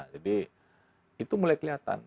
jadi itu mulai kelihatan